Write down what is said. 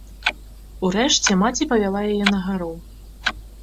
Урэшце маці павяла яе на гару.